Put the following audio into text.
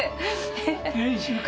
練習か。